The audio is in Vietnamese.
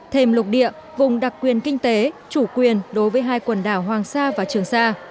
thêm lục địa vùng đặc quyền kinh tế chủ quyền đối với hai quần đảo hoàng sa và trường sa